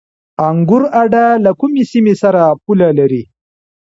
انګور اډه له کومې سیمې سره پوله لري؟